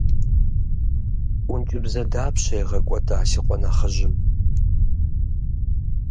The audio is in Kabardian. Ӏункӏыбзэ дапщэ игъэкӏуэда си къуэ нэхъыжьым?